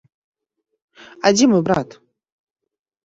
А дзе мой брат?